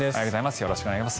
よろしくお願いします。